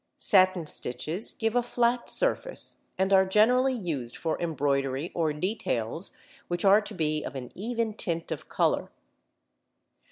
Satin stitches give a flat surface (Fig. 3), and are generally used for embroidery or details which are to be of an even tint of colour.